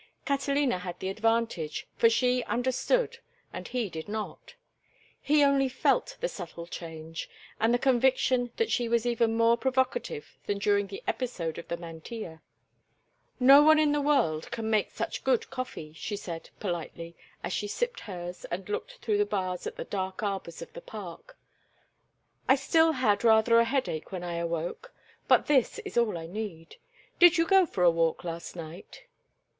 Catalina had the advantage, for she understood and he did not; he only felt the subtle change, and the conviction that she was even more provocative than during the episode of the mantilla. "No one in the world can make such good coffee," she said, politely, as she sipped hers and looked through the bars at the dark arbors of the park. "I still had rather a headache when I awoke, but this is all I need. Did you go for a walk last night?"